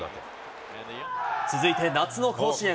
続いて夏の甲子園。